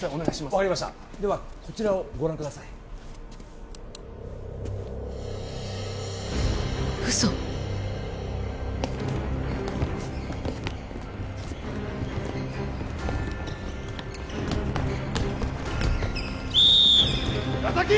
分かりましたではこちらをご覧ください嘘岩崎！